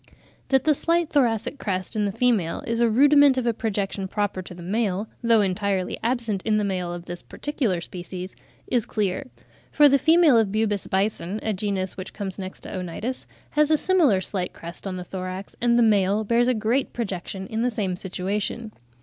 That the slight thoracic crest in the female is a rudiment of a projection proper to the male, though entirely absent in the male of this particular species, is clear: for the female of Bubas bison (a genus which comes next to Onitis) has a similar slight crest on the thorax, and the male bears a great projection in the same situation.